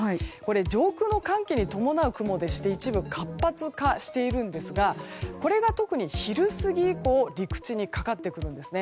上空の寒気に伴う雲でして一部、活発化しているんですがこれが特に昼過ぎ以降陸地にかかってくるんですね。